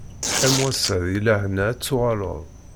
Am wass-a di lehna ad d-tuɣaleḍ.